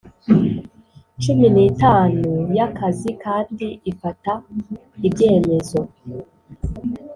Cumi nitanu yakazi kandi ifata ibyemezo